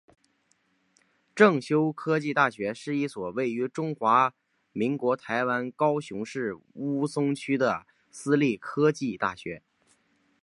正修科技大学是一所位于中华民国台湾高雄市鸟松区的私立科技大学。